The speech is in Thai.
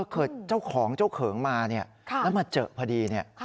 เกิดเจ้าของเจ้าเขิงมาแล้วมาเจอกันพอดี